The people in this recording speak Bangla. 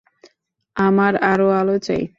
আমার আরও আলো চাই।